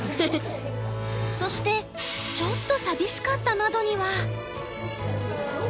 そしてちょっと寂しかった窓には。